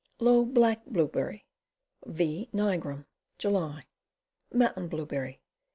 Low Black Blueberry. V. nigrum. July. Mountain Blueberry.